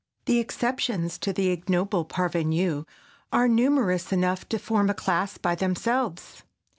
The exceptions to the ignoble parvenu are numerous enough to form a class by themselves.